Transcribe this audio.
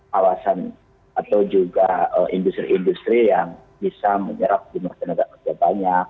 kawasan atau juga industri industri yang bisa menyerap jumlah tenaga kerja banyak